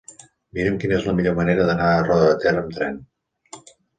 Mira'm quina és la millor manera d'anar a Roda de Ter amb tren.